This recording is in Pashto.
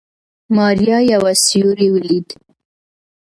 ماريا يو سيوری وليد.